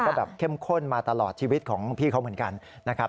ก็แบบเข้มข้นมาตลอดชีวิตของพี่เขาเหมือนกันนะครับ